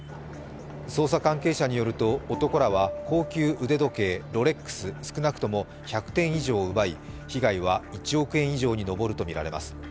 捜査関係者によると男らは高級腕時計、ロレックス少なくとも１００点以上を奪い被害は１億円以上に上るとみられます。